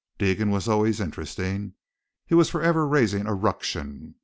Deegan was always interesting. He was forever raising a ruction.